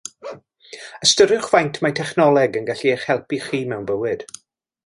Ystyriwch faint mae technoleg yn gallu eich helpu chi mewn bywyd.